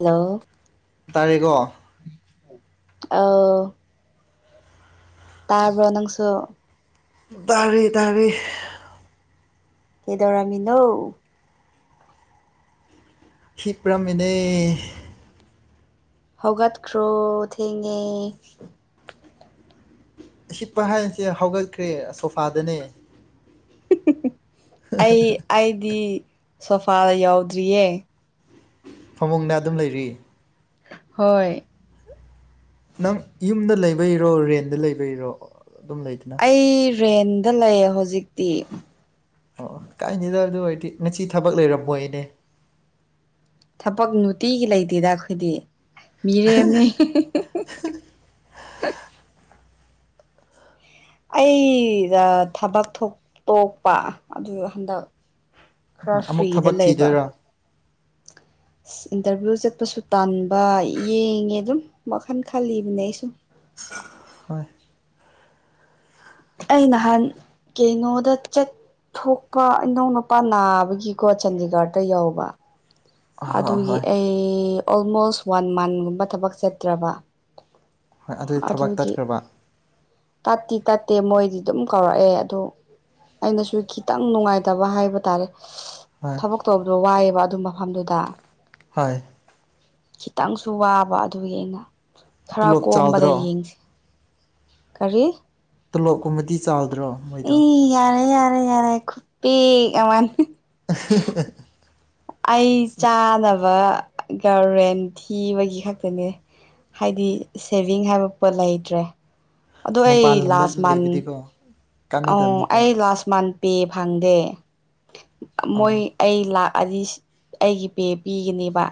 Hello ꯇꯥꯔꯦꯀꯣ ꯑꯧ ꯇꯥꯕ꯭ꯔꯣ ꯅꯪꯁꯨ ꯇꯥꯔꯦ ꯇꯥꯔꯦ ꯀꯦꯗꯧꯔꯝꯃꯤꯅꯣ ꯍꯤꯄ꯭ꯔꯥꯝ ꯃꯤꯅꯦ ꯍꯧꯒꯠꯈ꯭ꯔꯣ ꯊꯦꯡꯉꯦ ꯍꯤꯞꯄ ꯍꯥꯏꯅꯁꯦ ꯍꯧꯒꯠꯈ꯭ꯔꯦ ꯁꯣꯐꯥꯗꯅꯦ ꯑꯩ ꯑꯩꯗꯤ ꯁꯣꯐꯥꯗ ꯌꯥꯎꯗ꯭ꯔꯤꯌꯦ ꯐꯃꯨꯡꯗ ꯑꯗꯨꯝ ꯂꯩꯔꯤ ꯍꯣꯏ ꯅꯪ ꯌꯨꯝꯗ ꯂꯩꯕꯩꯔꯣ ꯔꯦꯟꯗ ꯂꯩꯕꯩꯔꯣ ꯑꯗꯨꯝ ꯂꯩꯗꯅ ꯑꯩ ꯔꯦꯟꯗ ꯂꯩꯌꯦ ꯍꯧꯖꯤꯛꯇꯤ ꯑꯣ ꯀꯥꯏꯗꯦꯆꯗ ꯑꯗꯨ ꯑꯣꯏꯔꯗꯤ ꯉꯁꯤ ꯊꯕꯛ ꯂꯩꯔꯝꯃꯣꯏ ꯅꯦ ꯊꯕꯛ ꯅꯨꯡꯇꯤꯒꯤ ꯂꯩꯇꯦꯗ ꯑꯈꯣꯏꯗꯤ ꯃꯤꯔꯦꯝꯅꯦ ꯑꯩꯗ ꯊꯕꯛ ꯊꯣꯛꯄ ꯇꯣꯛꯄ ꯑꯗꯨ ꯍꯟꯗꯛ ꯈꯔ ꯑꯃꯨꯛ ꯐꯔꯤꯗ ꯊꯕꯛ ꯂꯩꯕ ꯊꯤꯗꯣꯏꯔꯣ ꯏꯟꯇꯔꯚꯤꯌꯨ ꯆꯠꯄꯁꯨ ꯇꯟꯕ ꯌꯦꯡꯉꯦ ꯑꯗꯨꯝ ꯋꯥꯜ ꯈꯜꯂꯤꯕꯅꯦ ꯑꯩꯁꯨꯝ ꯍꯣꯏ ꯑꯩ ꯅꯍꯥꯟ ꯀꯦꯅꯣꯗ ꯆꯠ ꯊꯣꯛꯄ ꯏꯅꯧ ꯅꯨꯄꯥ ꯅꯥꯕꯒꯤꯀꯣ ꯆꯥꯟꯗꯤꯒꯔꯗ ꯌꯧꯕ ꯍꯣꯏ ꯑꯗꯨꯒꯤ ꯍꯣꯏ ꯑꯩ ꯑꯣꯜꯃꯣꯁ ꯋꯥꯟ ꯃꯟꯒꯨꯝꯕ ꯊꯕꯛ ꯆꯠꯇ꯭ꯔꯕ ꯍꯣꯏ ꯑꯗꯨꯗꯤ ꯊꯕꯛ ꯇꯠꯈ꯭ꯔꯕ꯫ ꯇꯠꯇꯤ ꯇꯠꯇꯦ ꯃꯣꯏꯗꯤ ꯑꯗꯨꯝ ꯀꯧꯔꯛꯑꯦ ꯑꯗꯨ꯫ ꯑꯩꯅꯁꯨ ꯈꯤꯇꯪ ꯅꯨꯡꯉꯥꯏꯇꯕ ꯍꯥꯏꯕ ꯇꯥꯔꯦ꯫ ꯍꯣꯏ ꯊꯕꯛ ꯇꯧꯕꯗꯣ ꯋꯥꯏꯑꯦꯕ ꯑꯗꯨ ꯃꯐꯝꯗꯨꯗ꯫ ꯍꯣꯏ꯫ ꯈꯤꯇꯪꯁꯨ ꯋꯥꯕ ꯑꯗꯨꯒꯤ ꯑꯩꯅ ꯈꯔ ꯇꯣꯂꯣꯞ ꯀꯣꯝꯕꯗ ꯆꯥꯎꯗ꯭ꯔꯣ ꯌꯦꯡꯁꯦ꫰꫰ ꯀꯔꯤ꯫ ꯇꯣꯂꯣꯞꯀꯨꯝꯃꯗꯤ ꯆꯥꯎꯗ꯭ꯔꯣ꯫ ꯃꯣꯏꯗꯣ ꯑꯦ ꯌꯥꯔꯦ ꯌꯥꯔꯦ ꯌꯥꯔꯦ ꯈꯨꯄꯤꯛ ꯑꯃꯅꯤ꯫ [unintelligible] ꯑꯩ ꯆꯥꯅꯕ ꯒꯥꯔꯦꯟ ꯊꯤꯕꯒꯤ ꯈꯛꯇꯅꯦ꯫ ꯍꯥꯏꯗꯤ ꯁꯦꯚꯤꯡ ꯍꯥꯏꯕ ꯄꯣꯠ ꯂꯩꯇ꯭ꯔꯦ ꯑꯗꯣ ꯑꯩ ꯃꯄꯥꯟ ꯂꯝꯗ ꯂꯥꯁ ꯃꯟ꯫ ꯂꯩꯕꯗꯤꯀꯣ ꯑꯣ ꯀꯥꯟꯅꯗꯕꯅꯦ ꯄꯥꯛ ꯑꯩ ꯂꯥꯁ ꯃꯟ ꯄꯦ ꯐꯪꯗꯦ ꯑꯥ ꯃꯣꯏ꯫ ꯑꯩ ꯂꯥꯛꯑꯗꯤ ꯑꯩꯒꯤ ꯄꯦ ꯄꯤꯒꯅꯦꯕ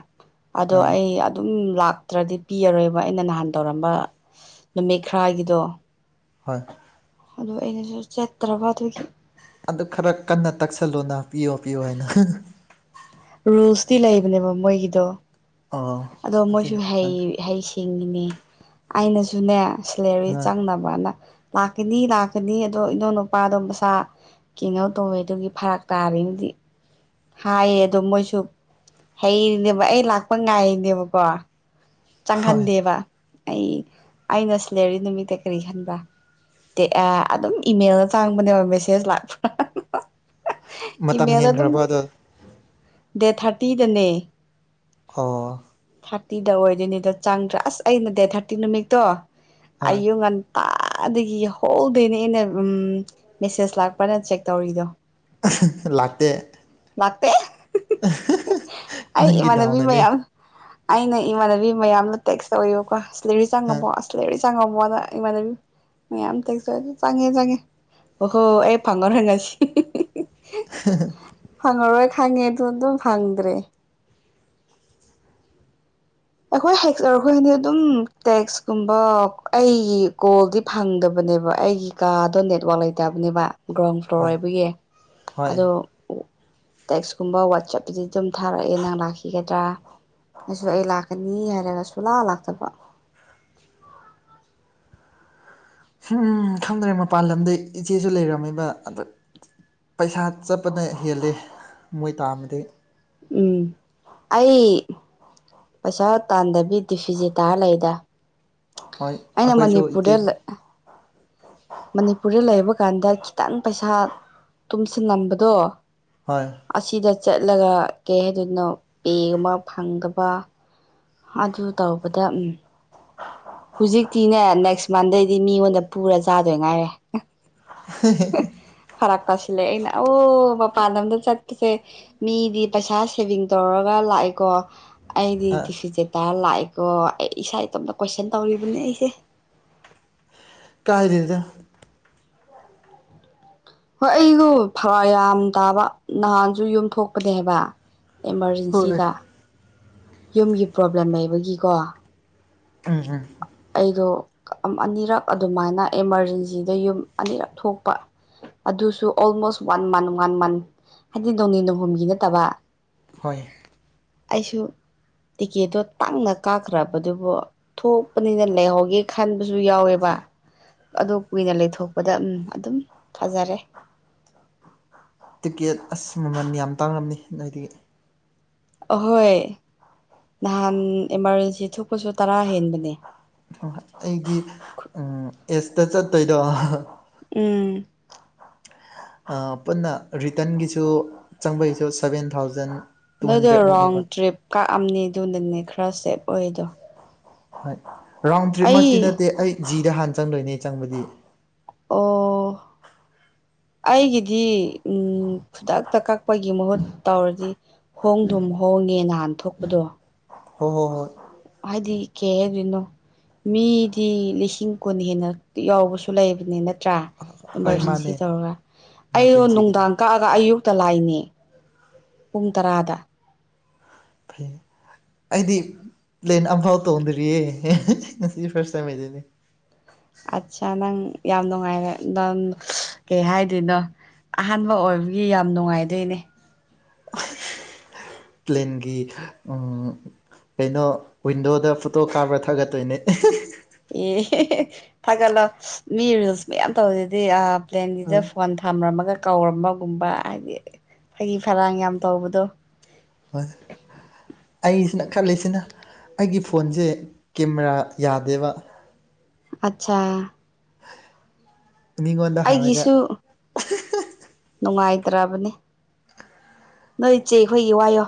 ꯑꯗꯣ ꯑꯥ ꯑꯩ ꯑꯗꯨꯝ ꯂꯥꯛ꯫ ꯅꯠꯇ꯭ꯔꯗꯤ ꯄꯤꯔꯔꯣꯏꯕ ꯑꯩꯅ ꯅꯍꯥꯟ ꯇꯧꯔꯝꯕ ꯅꯨꯃꯤꯠ ꯈꯔꯒꯤꯗꯣ꯫ ꯍꯣꯏ꯫ ꯑꯗꯣ ꯑꯩꯅꯁꯨ ꯆꯠꯇ꯭ꯔꯕ ꯑꯗꯨꯒꯤ꯫ ꯑꯗꯨ ꯈꯔ ꯀꯟꯅ ꯇꯛꯁꯜꯂꯨꯅ ꯄꯤꯌꯣ ꯄꯤꯌꯣ ꯍꯥꯏꯅ꯫ ꯔꯨꯜꯁꯇꯤ ꯂꯩꯕꯅꯦꯕ ꯃꯣꯏꯒꯤꯗꯣ ꯑꯣ ꯑꯗꯣ ꯃꯣꯏꯁꯨ ꯑꯗꯨꯏꯗꯤ ꯍꯩ ꯈꯪ ꯍꯩ ꯁꯤꯡꯉꯤꯅꯦ ꯑꯩꯅꯁꯨꯅꯦ ꯁꯦꯂꯔꯤ ꯑ ꯆꯪꯅꯕ꯫ ꯕꯥꯅ ꯂꯥꯛꯀꯅꯤ ꯂꯥꯛꯀꯅꯤ ꯑꯗꯣ ꯏꯅꯧ ꯅꯨꯄꯥꯗꯣ ꯃꯁꯥ꯫ ꯀꯤꯡ ꯑꯣꯠ ꯇꯧꯋꯦ ꯑꯗꯨꯒꯤ ꯐꯔꯛ ꯇꯥꯍꯩꯅꯦꯗꯤ ꯍꯥꯏꯌꯦ꯫ ꯑꯗꯨ ꯃꯣꯏꯁꯨ ꯍꯩꯔꯤꯅꯦꯕ ꯑꯩ ꯂꯥꯛꯄ ꯉꯥꯏꯔꯤꯅꯦꯕꯀꯣ꯫ ꯍꯣꯏ ꯆꯪꯍꯟꯗꯦꯕ ꯑꯩ ꯑꯩꯅ ꯁꯤꯂꯔꯤ ꯅꯨꯃꯤꯠꯇ ꯀꯔꯤ ꯈꯟꯕ꯭ꯔ꯫ ꯇꯦ ꯑꯥ ꯑꯗꯨꯝ ꯏꯃꯦꯜꯗ ꯆꯥꯡꯕꯅꯦꯕ ꯃꯦꯁꯦꯖ ꯂꯥꯛꯄ꯭ꯔꯅ꯫ ꯃꯇꯝ ꯏꯃꯦꯜꯗ ꯑꯗꯨꯝ ꯍꯦꯟꯈ꯭ꯔꯕ ꯑꯗꯣ ꯗꯦꯠ ꯊꯥꯔꯇꯤꯗꯅꯦ꯫ ꯑꯣ꯫ ꯊꯥꯔꯇꯤꯗ ꯑꯣꯏꯗꯣꯏꯅꯤꯗꯣ ꯆꯪꯗ꯭ꯔꯥ ꯑꯁ ꯑꯩꯅ ꯗꯦꯠ ꯊꯥꯔꯇꯤ ꯅꯨꯃꯤꯠꯇꯣ ꯍꯣꯏ ꯑꯌꯨꯛ ꯉꯟ ꯇꯥꯗꯒꯤ ꯌꯥꯍꯧꯗꯩꯅꯦ ꯑꯩꯅ ꯎꯝ ꯃꯦꯁꯦꯁ ꯂꯥꯛꯄ꯭ꯔꯅ ꯆꯦꯛ ꯇꯧꯔꯤꯗꯣ꯫ ꯂꯥꯛꯇꯦ꯫ ꯂꯥꯛꯇꯦ ꯑꯩ ꯅꯪꯒꯤ ꯏꯃꯥꯟꯅꯕꯤ ꯗꯥꯎꯅꯅꯤ ꯃꯌꯥꯝ꯫ ꯑꯩꯅ ꯏꯃꯥꯟꯅꯕꯤ ꯃꯌꯥꯝꯗꯣ ꯇꯦꯛꯁ ꯇꯧꯋꯦꯕꯀꯣ ꯁꯦꯂꯔꯥꯔꯤ ꯑ ꯆꯪꯉꯕꯣ ꯑꯁ꯫ ꯁꯦꯂꯥꯔꯔꯤ ꯆꯪꯉꯕꯣꯅ ꯏꯃꯥꯟꯅꯕꯤ ꯃꯌꯥꯝ ꯇꯦꯁ [unintelligible] ꯆꯪꯉꯦ ꯆꯪꯉꯦ꯫ ꯑꯣꯍꯣ ꯑꯩ ꯐꯪꯉꯔꯣꯏ ꯉꯁꯤ꯫ [unintelligible] ꯐꯪꯉꯔꯣꯏ ꯈꯪꯉꯦ ꯑꯗꯨ ꯑꯗꯨꯝ ꯐꯪꯗ꯭ꯔꯦ꯫ ꯑꯩꯈꯣꯏ ꯍꯦꯛꯁꯔ ꯑꯈꯣꯏ ꯍꯥꯏꯗꯤ ꯑꯗꯨꯝ ꯇꯦꯛꯁꯀꯨꯝꯕ ꯑꯩꯒꯤ ꯀꯣꯜꯗꯤ꯫ ꯐꯪꯗꯕꯅꯦꯕ ꯑꯩꯒꯤ ꯀꯥꯗꯣ ꯅꯦꯠꯋꯥꯛ ꯂꯩꯇꯕꯅꯦꯕ꯫ ꯒ꯭ꯔꯥꯎꯟ ꯐ꯭ꯂꯣꯔ ꯍꯣꯏ ꯑꯣꯏꯕꯒꯤ ꯍꯣꯏ ꯑꯗꯣ ꯇꯦꯛꯁꯀꯨꯝꯕ ꯋꯥꯆꯞꯇꯗꯤ ꯑꯗꯨꯝ ꯊꯥꯔꯛꯑꯦ ꯅꯪ ꯂꯥꯛꯈꯤꯒꯗ꯭ꯔꯥ ꯑꯩꯁꯨ ꯑꯩ ꯂꯥꯛꯀꯅꯤ ꯍꯥꯏꯔꯒ ꯁꯨꯂꯥꯛ ꯂꯥꯛꯇꯕ꯫ ꯈꯪꯗ꯭ꯔꯦ ꯃꯄꯥꯟ ꯂꯝꯗꯩ ꯏꯆꯦꯁꯨ ꯂꯩꯔꯝꯃꯤꯕ ꯑꯗ ꯄꯩꯁꯥ ꯆꯠꯄꯅ ꯍꯦꯜꯂꯤ ꯃꯣꯏ ꯇꯥꯟꯅꯕꯗꯩꯩꯗꯤ꯫ ꯎꯝ ꯑꯩ ꯄꯩꯁꯥ ꯇꯥꯟꯗꯕꯤꯗꯤ ꯗꯤꯐꯤꯖꯦ ꯇꯥꯔ ꯂꯩꯗ꯫ ꯍꯣꯏ ꯑꯩꯅ ꯑꯩꯈꯣꯏꯁꯨ ꯏꯆꯦꯅ ꯃꯅꯤꯄꯨꯔꯗꯂꯩ ꯃꯅꯤꯄꯨꯔꯗ ꯂꯩꯕ ꯀꯥꯟꯗ ꯈꯤꯇꯪ ꯄꯩꯁꯥ ꯇꯨꯝꯁꯤꯟꯂꯝꯕꯗꯣ ꯍꯣꯏ ꯑꯁꯤꯗ ꯆꯠꯂꯒ ꯀꯩ ꯍꯥꯏꯗꯣꯏꯅꯣ ꯄꯦ ꯑꯃꯣꯛ ꯐꯪꯗꯕ ꯑꯗꯨ ꯇꯧꯕꯗ ꯎꯝ ꯍꯧꯨꯖꯤꯛꯇꯤꯅꯦ ꯅꯦꯛꯁ ꯃꯟꯗꯩꯗꯤ ꯃꯤꯉꯣꯟꯗ ꯄꯨꯔ ꯆꯥꯗꯣꯏ ꯉꯥꯏꯔꯦ꯫ [unintelligible] ꯐꯔꯛꯄꯁꯤꯂꯦ ꯑꯩꯅ ꯑꯣ ꯃꯄꯥꯟ ꯂꯝꯗ ꯆꯠꯁꯦ꯫ ꯃꯤꯗꯤ ꯄꯩꯁꯥ ꯁꯦꯚꯤꯡ ꯇꯧꯔꯒ ꯂꯥꯛꯑꯦꯀꯣ꯫ ꯑꯩꯗꯤ ꯑ ꯇꯤꯐꯤꯖꯦ ꯇꯔ ꯂꯥꯛꯑꯦꯀꯣ ꯑꯩ ꯏꯁꯥ ꯏꯇꯣꯝꯇ ꯀꯣꯏꯁꯟ ꯇꯧꯔꯤꯕꯅꯦ ꯑꯩꯁꯦ꯫ ꯀꯥꯏꯗꯔꯤꯗ꯫ ꯍꯣꯏ ꯑꯩꯗꯣ ꯐꯔꯛ ꯌꯥꯝ ꯇꯥꯕ ꯅꯍꯥꯟꯁꯨ ꯌꯨꯝꯊꯣꯛꯄꯅꯦ ꯍꯥꯏꯕ ꯍꯣꯏ ꯑꯦꯃꯥꯔꯖꯦꯟꯁꯤꯗ ꯌꯨꯝꯒꯤ ꯄ꯭ꯔꯣꯕ꯭ꯂꯦꯝ ꯂꯩꯕꯒꯤꯀꯣ꯫ ꯎꯝ ꯎꯝ ꯑꯩꯗꯣ ꯑꯅꯤꯔꯛ ꯑꯗꯨꯃꯥꯏꯅ ꯑꯦꯃꯥꯔꯖꯦꯟꯁꯤꯗ ꯌꯨꯝ ꯑꯅꯤꯔꯛ ꯊꯣꯛꯄ꯫ ꯑꯗꯨꯁꯨ almost one month one month ꯍꯥꯏꯗꯤ ꯅꯣꯡꯅꯤ ꯅꯣꯡꯍꯨꯝꯒꯤ ꯅꯠꯇꯕ꯫ ꯍꯣꯏ ꯑꯩꯁꯨ ꯇꯤꯀꯦꯠꯇꯣ ꯇꯪꯅ ꯀꯥꯈ꯭ꯔꯕꯗꯨꯕꯨ꯫ ꯊꯣꯛꯄꯅꯤꯅ ꯂꯩꯍꯧꯒꯦ ꯈꯟꯕꯁꯨ ꯌꯥꯎꯋꯦꯕ꯫ ꯑꯗꯨꯣ ꯀꯨꯏꯅ ꯂꯩꯊꯣꯛꯄꯗ ꯎꯝ ꯑꯗꯨꯝ ꯊꯥꯖꯔꯦ꯫ ꯇꯤꯛꯀꯦꯠ ꯑꯁ ꯃꯃꯜ ꯌꯥꯝ ꯇꯥꯡꯂꯝꯃꯤ ꯅꯣꯏꯗ ꯑꯍꯣꯏ ꯅꯍꯥꯟ ꯏꯃꯥꯔꯖꯦꯟꯁꯤ ꯊꯣꯛꯄꯁꯨ ꯇꯔꯥ ꯍꯦꯟꯕꯅꯦ꯫ ꯑꯩꯒꯤ ꯑꯦꯁꯇ ꯆꯠꯇꯣꯏꯗꯣ꯫ ꯎꯝ ꯄꯨꯟꯅ ꯔꯤꯇꯟꯒꯤꯁꯨ ꯆꯪꯕꯒꯤꯁꯨ ꯁꯕꯦꯟ ꯊꯥꯎꯖꯟ ꯇꯨ ꯅꯣꯏꯗꯣ ꯔꯣꯡ ꯍꯟꯗ꯭ꯔꯦꯗꯃꯨꯛꯅꯦꯕ ꯇ꯭ꯔꯤꯞ ꯀꯛꯑꯝꯅꯤ ꯑꯗꯨ ꯅꯪꯅꯦ ꯈꯔ ꯁꯦꯞ ꯑꯣꯏꯗꯣ ꯍꯣꯏ ꯔꯥꯎꯟ ꯇ꯭ꯔꯤꯞꯃꯛꯇꯤ ꯑꯩ ꯅꯠꯇꯦ ꯑꯩ ꯖꯤꯗ ꯍꯥꯟꯅ ꯆꯪꯗꯣꯏꯅꯦ ꯆꯪꯕꯗꯤ꯫ ꯑꯣ ꯑꯩꯒꯤꯗꯤ ꯈꯨꯗꯛꯇ ꯀꯛꯄꯒꯤ ꯃꯍꯨꯠ ꯇꯧꯔꯗꯤ꯫ ꯍꯣꯡꯗꯨꯨꯝ ꯍꯣꯡꯉꯦ ꯅꯍꯥꯟ ꯊꯣꯛꯄꯗꯣ ꯍꯣꯏ ꯍꯣꯏ ꯍꯣꯏ ꯍꯥꯏꯗꯤ ꯀꯦ ꯍꯥꯏꯗꯣꯏꯅꯣ ꯃꯤꯗꯤ ꯂꯤꯁꯤꯡ ꯀꯨꯟ ꯍꯦꯟꯅ ꯌꯥꯎꯕꯁꯨ ꯂꯩꯕꯅꯤ ꯅꯠꯇ꯭ꯔꯥ ꯍꯣꯏ ꯏꯃꯥꯔꯖꯦꯟꯁꯤ ꯃꯥꯅꯦ ꯇꯧꯔꯒ ꯑꯩꯗꯣ ꯏꯃꯥꯔꯖꯦꯟꯁꯤꯒꯤꯗꯤ ꯅꯨꯡꯗꯥꯡ ꯀꯛꯑꯒ ꯑꯌꯨꯛꯇ ꯂꯥꯛꯅꯦ ꯄꯨꯡ ꯇꯔꯥꯗ꯫ ꯐꯩ ꯑꯩꯗꯤ ꯂꯦꯟ ꯑꯝꯐꯥꯎ ꯇꯣꯡꯗ꯭ꯔꯤꯌꯦ ꯉꯁꯤ ꯐꯔ ꯇꯁꯤꯅꯦ꯫ ꯑꯠꯆꯥ ꯅꯪ ꯌꯥꯝ ꯅꯨꯡꯉꯥꯏꯔꯦ ꯅꯪ ꯀꯩ ꯍꯥꯏꯗꯣꯏꯅꯣ ꯑꯍꯥꯟꯕ ꯑꯣꯏꯕꯒꯤ ꯌꯥꯝ ꯅꯨꯡꯉꯥꯏꯗꯣꯏꯅꯦ꯫ ꯄ꯭ꯂꯦꯟꯒꯤ ꯑ ꯀꯩꯅꯣ ꯋꯤꯟꯗꯣꯗ ꯐꯣꯇꯣ ꯀꯥꯞꯄ꯭ꯔꯥ ꯊꯥꯒꯠꯇꯣꯏꯅꯦ ꯑꯦ [unintelligible] ꯊꯥꯒꯠꯂꯣ ꯃꯤ ꯔꯤꯜꯁ ꯃꯌꯥꯝ ꯇꯧꯏꯗꯨꯗꯤ ꯑ ꯄ꯭ꯂꯦꯟꯒꯤꯗ ꯍꯣꯏ ꯐꯣꯟ ꯊꯝꯔꯝꯃꯒ ꯀꯧꯔꯃꯒꯨꯝꯕ ꯍꯥꯏꯗꯤ ꯐꯩꯗꯤ ꯐꯔꯥꯡ ꯌꯥꯝ ꯇꯧꯕꯗꯣ ꯍꯣꯏ ꯑꯩꯁꯤꯅ ꯈꯜꯂꯤꯁꯤꯅ ꯑꯩꯒꯤ ꯐꯣꯟꯁꯦ ꯀꯦꯃꯦꯔꯥ ꯌꯥꯗꯦꯕ ꯑꯠꯁꯥ ꯃꯤꯉꯣꯟꯗ ꯍꯪꯔꯒ ꯅꯨꯡꯉꯥꯏꯇ꯭ꯔꯕꯅꯤ ꯅꯣꯏ ꯆꯦ ꯈꯣꯏꯒꯤ ꯋꯥꯏꯌꯣ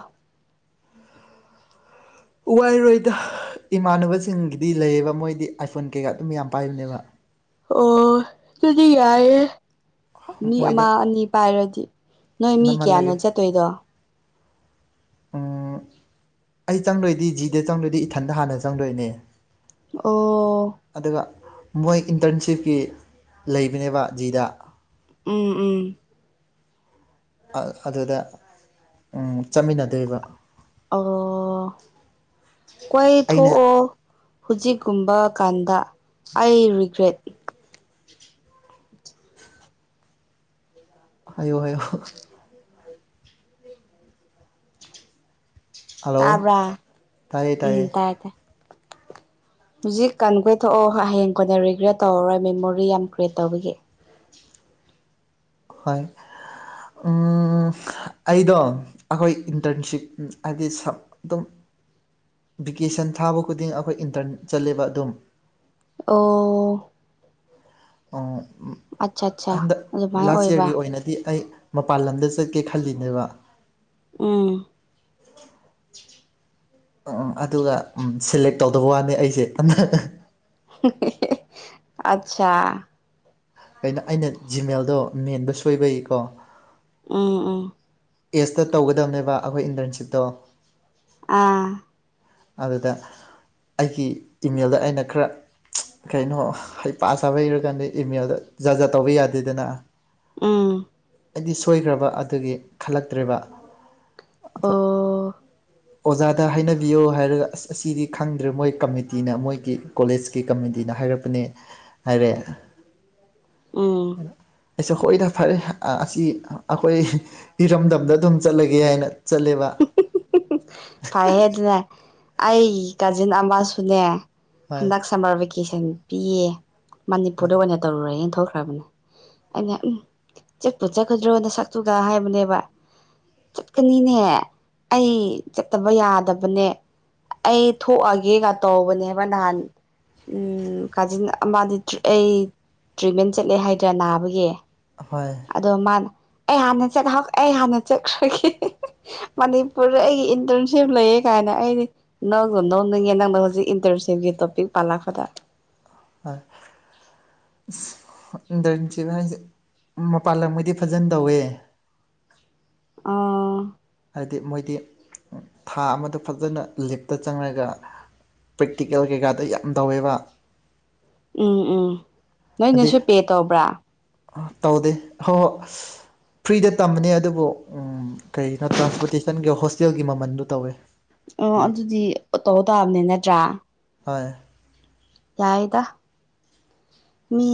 ꯋꯥꯏꯔꯣꯏꯗ ꯏꯃꯥꯟꯅꯕꯁꯤꯡꯒꯤꯗꯤ ꯂꯩꯌꯦꯕ ꯃꯣꯏꯗꯤ ꯑꯥꯏꯐꯣꯟ ꯀꯩꯀꯥ ꯑꯗꯨꯝ ꯌꯥꯝ ꯄꯥꯏꯕꯅꯦꯕ ꯑꯣ ꯑꯗꯨꯗꯤ ꯌꯥꯏꯌꯦ ꯃꯤ ꯑꯃ ꯃꯣꯏꯗ ꯑꯅꯤ ꯄꯥꯏꯔꯗꯤ ꯅꯣꯏ ꯃꯤ ꯀꯌꯥꯅꯣ ꯆꯠꯇꯣꯏꯗꯣ ꯑ ꯑꯩ ꯆꯪꯗꯣꯏꯗꯤ ꯖꯤꯗ ꯆꯪꯗꯣꯏꯗꯤ ꯏꯊꯟꯗ ꯍꯥꯟꯅ ꯆꯪꯗꯣꯏꯅꯦ ꯑꯣ ꯑꯗꯨꯒ ꯃꯣꯏ ꯏꯟꯇꯔꯟꯁꯤꯞꯀꯤ ꯂꯩꯕꯅꯦꯕ ꯖꯤꯗ ꯎꯝ ꯎꯝ ꯑ ꯑꯗꯨꯗ ꯎꯝ ꯆꯠꯃꯤꯟꯅꯗꯣꯏꯕ ꯑꯣ ꯀꯣꯢ ꯑꯩꯅ ꯊꯣꯛꯑꯣ ꯍꯧꯖꯤꯛꯀꯨꯝꯕ ꯀꯥꯟꯗ ꯑꯩ ꯔꯤꯒ꯭ꯔꯦꯠ ꯍꯥꯏꯌꯣ ꯍꯥꯏꯌꯣ ꯍꯜꯂꯣ ꯇꯥꯕ꯭ꯔꯥ ꯇꯥꯏꯌꯦ ꯇꯥꯏꯌꯦ ꯎꯝ ꯇꯥꯏ ꯇꯥꯏ ꯍꯧꯖꯤꯛ ꯀꯟ ꯀꯣꯏ ꯊꯣꯛꯑꯣ ꯍꯌꯦꯡ ꯀꯣꯟꯅ ꯔꯤꯒ꯭ꯔꯦꯠ ꯇꯧꯔꯔꯣꯏ ꯃꯦꯃꯣꯔꯤ ꯌꯥꯝ ꯀ꯭ꯔꯤꯌꯦꯠ ꯇꯧꯕꯒꯤ ꯍꯣꯏ ꯑꯥ ꯑꯩꯗꯣ ꯑꯩꯈꯣꯏ ꯏꯟꯇꯔꯟꯁꯤꯞ ꯍꯥꯏꯗꯤ ꯁꯞ ꯑꯗꯨꯝ ꯚꯤꯀꯦꯁꯟ ꯊꯥꯕ ꯈꯨꯗꯤꯡ ꯑꯩꯈꯣꯏ ꯏꯟꯇꯔꯟ ꯆꯠꯂꯦꯕ ꯑꯗꯨꯝ ꯑꯣ ꯑꯣ ꯑꯠꯆꯥ ꯑ ꯑꯠꯆꯥ ꯍꯟꯗꯛ ꯑꯗꯨꯃꯥꯏꯅ ꯂꯥꯁ ꯑꯣꯏꯕ ꯌꯥꯔꯒꯤ ꯑꯣꯏꯅꯗꯤ ꯑꯩ ꯃꯄꯥꯟ ꯂꯝꯗ ꯆꯠꯀꯦ ꯈꯜꯂꯤꯅꯦꯕ ꯎꯝ [inaudible] ꯎꯝ ꯑꯗꯨꯒ ꯎ ꯁꯦꯂꯦꯛ ꯇꯧꯗꯕ ꯋꯥꯅꯤ ꯑꯩꯁꯦ ꯑ [unintelligible] ꯑꯠꯁꯥ ꯀꯩꯅꯣ ꯑꯩꯅ ꯖꯤꯃꯦꯜꯗꯣ ꯃꯦꯟꯕ ꯁꯣꯏꯕꯩꯀꯣ ꯎꯝ ꯎꯝ ꯑꯦꯖꯇ ꯇꯧꯒꯗꯕꯅꯦꯕ ꯑꯩꯈꯣꯏ ꯏꯟꯇꯔꯟꯁꯤꯞꯇꯣ ꯑꯥ ꯑꯗꯨꯗ ꯑꯩꯒꯤ ꯏꯃꯦꯜꯗ ꯑꯩꯅ ꯈꯔ ꯀꯩꯅꯣ ꯍꯩꯄꯥ ꯁꯥꯕꯩꯔꯥ ꯈꯪꯗꯦ ꯏꯃꯦꯜꯗ ꯖꯥ ꯖꯥꯠ ꯇꯧꯕ ꯌꯥꯗꯦꯗꯅ ꯎꯝ ꯑꯩꯗꯤ ꯁꯣꯏꯈ꯭ꯔꯕ ꯑꯗꯨꯒꯤ ꯈꯜꯂꯛꯇ꯭ꯔꯦꯕ ꯑꯗꯣ ꯑꯣ ꯑꯣꯖꯥꯗ ꯍꯥꯏꯅꯕꯤꯌꯣ ꯍꯥꯏꯔꯒ ꯑꯁ ꯑꯁꯤꯗꯤ ꯈꯪꯗ꯭ꯔꯦ ꯃꯣꯏ ꯀꯃꯤꯇꯤꯅ ꯃꯣꯏꯒꯤ ꯀꯣꯂꯦꯖꯀꯤ ꯀꯃꯤꯇꯤꯅ ꯍꯥꯏꯔꯛꯄꯅꯦ ꯍꯥꯏꯔꯦ ꯎꯝ ꯑꯩꯁꯨ ꯍꯣꯏꯗ ꯐꯔꯦ ꯑ ꯑꯁꯤ ꯑꯩꯈꯣꯏ ꯏꯔꯝꯗꯝꯗ ꯑꯗꯨꯝ ꯆꯠꯂꯒꯦ ꯍꯥꯏꯅ ꯆꯠꯂꯦꯕ [unintelligible] ꯐꯩꯌꯦ ꯑꯗꯨꯅꯦ ꯑꯩꯒꯤ ꯀꯥꯖꯤꯟ ꯑꯃꯁꯨꯅꯦ ꯍꯣꯏ ꯍꯟꯗꯛ ꯁꯝꯃꯔ ꯚꯦꯀꯦꯁꯟ ꯄꯤꯌꯦ ꯃꯅꯤꯄꯨꯔꯗ ꯑꯣꯏꯅ ꯇꯧꯔꯨꯔꯦꯅ ꯊꯣꯛꯈ꯭ꯔꯕꯅꯦ ꯑꯩꯅ ꯎꯝ ꯆꯠꯄꯨ ꯆꯠꯀꯗ꯭ꯔꯣ ꯅꯁꯛꯇꯨꯒ ꯍꯥꯏꯕꯅꯦꯕ ꯆꯠꯀꯅꯤꯅꯦ ꯑꯩ ꯆꯠꯇꯕ ꯌꯥꯗꯕꯅꯦ ꯑꯩ ꯊꯣꯛꯑꯒꯦꯒ ꯇꯧꯕꯅꯦꯕ ꯅꯍꯥꯟ ꯎꯝ ꯀꯥꯖꯤꯟ ꯃꯥꯗꯤ ꯑꯩ ꯇ꯭ꯔꯤꯠꯃꯦꯟ ꯆꯠꯂꯦ ꯍꯥꯏꯗ꯭ꯔꯥ ꯅꯥꯕꯒꯤ ꯍꯣꯏ ꯑꯗꯣ ꯃꯥꯅ ꯑꯩ ꯍꯥꯟꯅ ꯆꯠꯍꯥꯎ ꯑꯩ ꯍꯥꯟꯅ ꯆꯠꯈ꯭ꯔꯒꯦ ꯃꯅꯤꯄꯨꯔꯗ ꯑꯩꯒꯤ ꯏꯟꯇꯔꯟꯁꯤꯞ ꯂꯩꯌꯦ ꯀꯥꯏꯅ ꯑꯩꯗꯤ ꯅꯪ ꯅꯧꯅꯤꯡꯉꯦ ꯅꯪꯅ ꯍꯧꯖꯤꯛ ꯏꯟꯇꯔꯁꯤꯞꯀꯤ ꯇꯣꯄꯤꯛ ꯄꯥꯜꯂꯛꯄꯗ ꯍꯣꯏ ꯑ ꯏꯟ ꯗꯔꯟꯁꯤꯞ ꯍꯥꯏꯁꯦ ꯃꯄꯥꯟꯂꯝꯒꯩꯗꯤ ꯐꯖꯅ ꯇꯧꯋꯦ ꯑꯥ ꯍꯥꯏꯗꯤ ꯃꯣꯏꯗꯤ ꯊꯥ ꯑꯃꯗꯣ ꯐꯖꯅ ꯂꯤꯞꯇ ꯆꯪꯉꯒ ꯄ꯭ꯔꯦꯛꯇꯤꯀꯦꯜ ꯀꯩꯀꯥꯗ ꯌꯥꯝ ꯇꯧꯋꯦꯕ ꯎꯝ ꯎꯝ ꯅꯣꯏ ꯍꯥꯏꯗꯤ ꯅꯁꯨ ꯄꯦ ꯇꯧꯕ꯭ꯔꯥ ꯇꯧꯗꯦ ꯍꯣꯏ ꯍꯣꯏ ꯐ꯭ꯔꯤꯗ ꯇꯝꯃꯅꯦ ꯑꯗꯨꯕꯨ ꯀꯩꯅꯣ ꯇ꯭ꯔꯥꯟꯁꯄꯣꯔꯇꯦꯁꯟꯒꯤ ꯍꯣꯁꯇꯦꯜꯒꯤ ꯃꯃꯟꯗꯣ ꯇꯧꯋꯦ ꯑꯣ ꯄꯤ ꯑꯗꯨꯗꯤ ꯇꯧ ꯇꯥꯕꯅꯤ ꯅꯠꯇ꯭ꯔꯥ ꯍꯣꯏ ꯌꯥꯏꯗ ꯃꯤ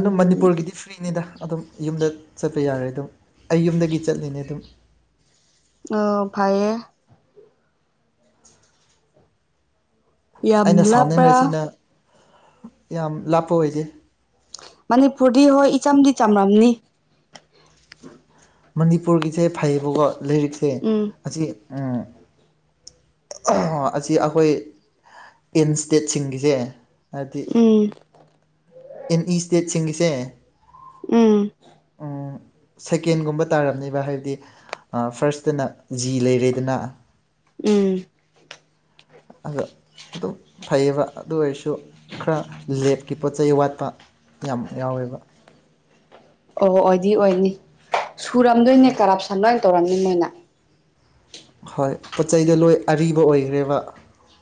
ꯑꯗꯨꯝ ꯃꯅꯤꯄꯨꯔꯒꯤꯗꯤ ꯐ꯭ꯔꯤꯅꯤꯗ ꯑꯗꯨꯝ ꯌꯨꯝꯗ ꯆꯠꯄ ꯌꯥꯔꯦ ꯑꯗꯨꯝ ꯑꯩ ꯌꯨꯝꯗꯒꯤ ꯆꯠꯂꯤꯅꯦ ꯑꯗꯨꯝ ꯎ ꯐꯌꯦ ꯌꯥꯝ ꯑꯩꯅ ꯂꯥꯞꯄ꯭ꯔꯥ ꯁꯥꯎꯅꯤꯡꯁꯤꯅ ꯌꯥꯝ ꯂꯥꯞꯄ ꯑꯣꯏꯗꯦ ꯃꯅꯤꯄꯨꯔꯗꯤ ꯍꯣꯏ ꯏꯆꯝꯗꯤ ꯆꯝꯔꯝꯅꯤ ꯃꯅꯤꯄꯨꯔꯒꯤꯁꯦ ꯐꯩꯌꯦꯕꯀꯣ ꯂꯥꯏꯔꯤꯛꯁꯦ ꯎꯝ ꯑꯁꯤ ꯑꯁꯤ ꯑꯩꯈꯣꯏ ꯏꯟ ꯏꯁꯇꯦꯠꯁꯤꯡꯒꯤꯁꯦ ꯍꯥꯏꯗꯤ ꯎꯝ ꯑꯦꯅꯤ ꯁ꯭ꯇꯦꯠꯁꯤꯡꯒꯤꯁꯦ ꯎꯝ ꯎꯝ ꯁꯦꯀꯦꯟꯒꯨꯝꯕ ꯇꯥꯔꯕꯅꯦꯕ ꯍꯥꯏꯕꯗꯤ ꯐꯥꯔꯁꯇꯅ ꯖꯤ ꯂꯩꯔꯦꯗꯅ ꯎꯝ ꯑꯗ ꯑꯗꯨꯝ ꯐꯩꯌꯦꯕ ꯑꯗꯨ ꯑꯣꯏꯔꯁꯨ ꯈꯔ ꯂꯦꯞꯀꯤ ꯄꯣꯠ ꯆꯩ ꯋꯥꯠꯄ ꯌꯥꯝ ꯌꯥꯎꯋꯦꯕ ꯑꯣ ꯑꯣꯏꯗꯤ ꯑꯣꯏꯅꯤ ꯁꯨꯔꯝꯗꯣꯏꯅꯦ ꯀꯔꯞꯁꯟ ꯂꯣꯏ ꯇꯧꯔꯝꯅꯤ ꯃꯣꯏꯅ ꯍꯣꯏ ꯄꯣꯠ ꯆꯩꯗ ꯂꯣꯏ ꯑꯔꯤꯕ ꯑꯣꯏꯈ꯭ꯔꯦꯕ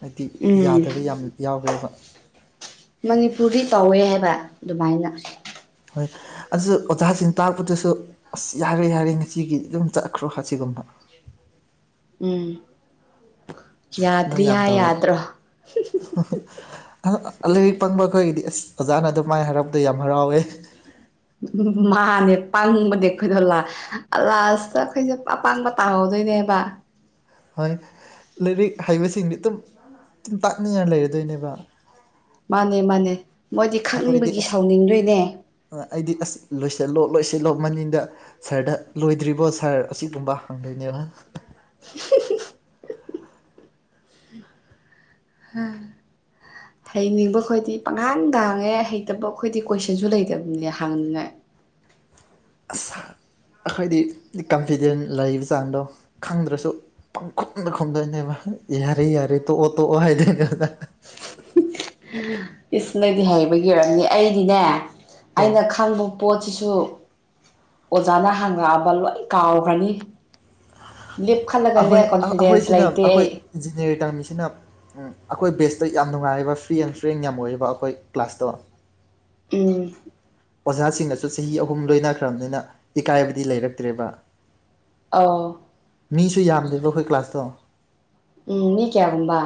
ꯍꯥꯏꯗꯤ ꯎꯝ ꯌꯥꯗꯕ ꯌꯥꯝ ꯌꯥꯎꯈ꯭ꯔꯦꯕ ꯃꯅꯤꯄꯨꯔꯗꯤ ꯇꯧꯋꯦ ꯍꯥꯏꯕ ꯑꯗꯨꯃꯥꯏꯅ ꯍꯣꯏ ꯑꯗꯨ ꯑꯣꯖꯥꯁꯤꯡ ꯇꯥꯔꯛꯄꯗꯁꯨ ꯑꯁ ꯌꯥꯔꯦ ꯌꯥꯔꯦ ꯉꯁꯤꯒꯤꯗꯤ ꯑꯗꯨꯝ ꯆꯠꯈ꯭ꯔꯣ ꯑꯁꯤꯒꯨꯝꯕ ꯎꯝ ꯂꯣꯏ ꯌꯥꯗ꯭ꯔꯤ ꯌꯥꯝ ꯍꯥꯏ ꯇꯧꯋꯦꯕ꯭ꯔꯣ ꯌꯥꯗ꯭ꯔꯣ ꯂꯥꯏꯔꯤꯛ ꯄꯪꯕ ꯑꯩꯈꯣꯏꯒꯤꯗꯤ ꯑꯁ ꯑꯣꯖꯥꯅ ꯑꯗꯨꯝ ꯃꯥꯏ ꯍꯥꯏꯔꯛꯄꯗꯣ ꯌꯥꯝ ꯍꯔꯥꯎꯋꯦ ꯎ ꯃꯥꯅꯦ ꯄꯥꯡꯉꯕꯅꯦ ꯈꯣꯏꯗꯣꯜꯂ ꯑꯂꯥꯁꯇ ꯑꯩꯈꯣꯏꯁꯦ ꯑꯄꯥꯕ ꯇꯥꯍꯧꯗꯣꯏꯅꯦꯕ ꯍꯣꯏ ꯂꯥꯏꯔꯤꯛ ꯍꯩꯕꯁꯤꯡꯗꯤ ꯑꯗꯨꯝ ꯑꯗꯨꯝ ꯇꯥꯛꯅꯤꯡꯉꯥꯏꯅ ꯂꯩꯔꯗꯣꯏꯅꯦꯕ ꯃꯥꯅꯦ ꯃꯥꯅꯦ ꯃꯣꯏꯗꯤ ꯑꯩꯈꯣꯏꯗꯤ ꯈꯪꯅꯤꯡꯕꯒꯤ ꯑꯁ ꯁꯥꯎꯅꯤꯡꯗꯣꯏꯅꯦ ꯑꯩꯗꯤ ꯑꯁ ꯂꯣꯏꯁꯤꯜꯂꯣ ꯂꯣꯏꯁꯤꯜꯂꯣ ꯃꯅꯤꯡꯗ ꯁꯥꯔꯗ ꯂꯣꯏꯗ꯭ꯔꯤꯕꯣ ꯁꯥꯔ ꯑꯁꯤꯒꯨꯝꯕ ꯍꯪꯗꯣꯏꯅꯦꯕ ꯎꯝ ꯍꯩꯅꯤꯡꯕ ꯈꯣꯏꯗꯤ ꯄꯪꯉꯥꯟ ꯇꯥꯡꯉꯦ ꯍꯩꯇꯕ ꯑꯩꯈꯣꯏꯗꯤ ꯀꯣꯏꯁꯟꯁꯨ ꯂꯩꯇꯕꯅꯦ ꯍꯥꯡꯅꯤꯡꯉꯥꯏ꯫ ꯑꯁ ꯑꯩꯈꯣꯏꯗꯤ ꯀꯟꯐꯤꯗꯦꯟ ꯂꯩꯕ ꯆꯥꯡꯗꯣ ꯈꯪꯗ꯭ꯔꯁꯨ꯫ ꯄꯪ ꯈꯨꯝꯅ ꯈꯨꯝꯗꯣꯏꯅꯦꯕ ꯌꯥꯔꯦ ꯌꯥꯔꯦ ꯇꯣꯛꯑꯣ ꯇꯣꯛꯑꯣ ꯍꯥꯏꯗꯦ ꯑꯗꯨꯗ ꯏꯁ ꯅꯪꯗꯤ ꯍꯩꯕꯒꯤ ꯑꯣꯏꯔꯝꯅꯤ ꯑꯩꯗꯤꯅꯦ ꯑꯩꯅ ꯑꯩꯈꯣꯏ ꯈꯥꯡꯕꯣꯛ ꯄꯣꯠꯁꯤꯁꯨ ꯑꯣꯖꯥꯅ ꯍꯥꯡꯉꯛꯑꯕ ꯂꯣꯏ ꯀꯥꯎꯈ꯭ꯔꯅꯤ꯫ ꯂꯦꯞ ꯈꯜꯂꯒꯂ ꯀꯣꯟꯐꯤꯗꯦꯟꯁ ꯑꯩꯈꯣꯏꯁꯤꯅ ꯂꯩꯇꯦ ꯑꯩꯈꯣꯏ ꯑꯩ꯫ ꯏꯟꯖꯤꯅꯤꯌꯥꯔ ꯇꯝꯃꯤꯁꯤꯅꯞ ꯑꯩꯈꯣꯏ ꯕꯦꯁꯇ ꯌꯥꯝ ꯅꯨꯡꯉꯥꯏꯑꯕ ꯐ꯭ꯔꯤ ꯑꯦꯟ ꯐ꯭ꯔꯦꯟ ꯌꯥꯝ ꯑꯣꯏꯔꯤꯕ ꯑꯩꯈꯣꯏ ꯀ꯭ꯂꯥꯁꯇꯣ꯫ ꯎꯝ꯫ ꯑꯣꯖꯥꯁꯤꯡꯅꯁꯨ ꯆꯍꯤ ꯑꯍꯨꯝ ꯂꯣꯏꯅꯈ꯭ꯔꯕꯅꯤꯅ ꯏꯀꯥꯏꯕꯗꯤ ꯂꯩꯔꯛꯇ꯭ꯔꯦꯕ꯫ ꯑꯥꯎ꯫ ꯃꯤꯁꯨ ꯌꯥꯝꯗꯦꯕ ꯑꯩꯈꯣꯏ ꯀ꯭ꯂꯥꯁꯇꯣ꯫ ꯎꯝ ꯃꯤ ꯀꯌꯥꯒꯨꯝꯕ꯫